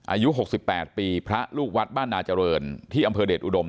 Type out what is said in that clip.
อายุหกสิบแปดปีพระลูกวัดบ้านนาจริย์ที่อำเภอเดชอุดม